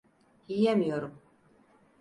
Yiyemiyorum.